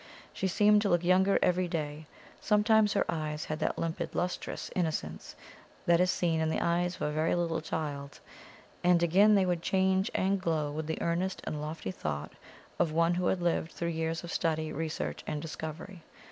She seemed to look younger every day; sometimes her eyes had that limpid, lustrous innocence that is seen in the eyes of a very little child; and, again, they would change and glow with the earnest and lofty thought of one who had lived through years of study, research, and discovery.